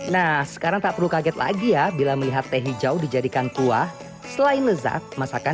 nah sekarang tak perlu kaget lagi ya bila melihat teh hijau dijadikan kuah selain lezat masakan